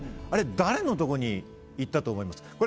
あれ、誰のところに行ったと思いますか？